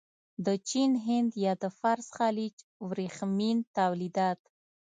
د چین، هند یا د فارس خلیج ورېښمین تولیدات.